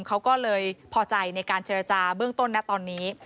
เขาก็เลยพอใจในการเจรจาเบื้องต้นนะตอนนี้